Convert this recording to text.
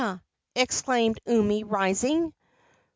exclaimed Umi, rising.